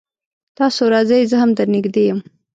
تاسو راځئ زه هم در نږدې يم